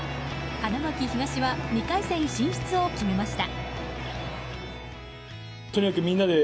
花巻東は２回戦進出を決めました。